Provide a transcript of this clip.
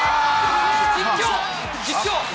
実況、実況。